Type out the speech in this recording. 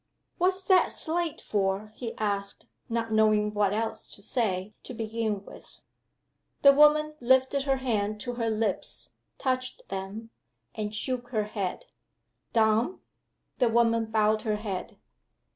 "What's that slate for?" he asked, not knowing what else to say, to begin with. The woman lifted her hand to her lips touched them and shook her head. "Dumb?" The woman bowed her head.